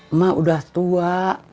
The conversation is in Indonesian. emak udah tua